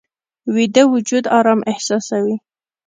ویده وجود آرام احساسوي